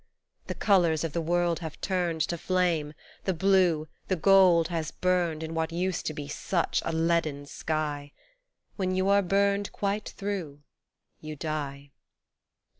The colours of the world have turned To flame, the blue, the gold has burned In what used to be such a leaden sky. When you are burned quite through you die.